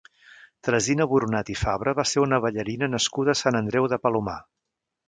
Tresina Boronat i Fabra va ser una ballarina nascuda a Sant Andreu de Palomar.